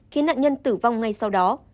khiến nạn nhân tử vong ngay sau đó